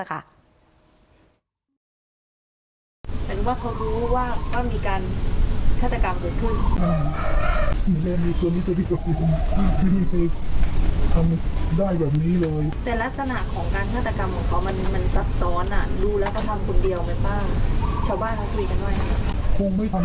แต่ลักษณะของการฮาตกรรมของเขามันจับซ้อนดูแล้วก็ทำคนเดียวไหมบ้าง